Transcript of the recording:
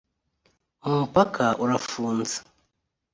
umupaka urafunze